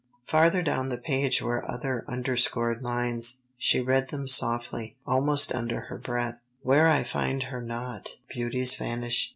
Farther down the page were other underscored lines. She read them softly, almost under her breath. "'Where I find her not, beauties vanish.